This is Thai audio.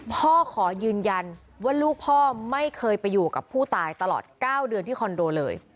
ขอยืนยันว่าลูกพ่อไม่เคยไปอยู่กับผู้ตายตลอด๙เดือนที่คอนโดเลย